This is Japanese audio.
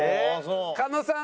狩野さん